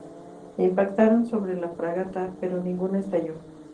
Impactaron sobre la fragata, pero ninguna estalló.